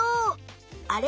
あれ？